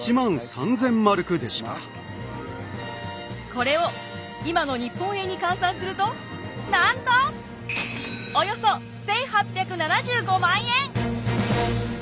これを今の日本円に換算するとなんとおよそ１，８７５万円！